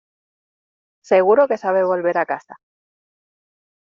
seguro que sabe volver a casa.